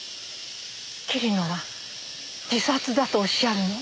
桐野は自殺だとおっしゃるの？